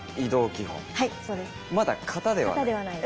まだ形ではない。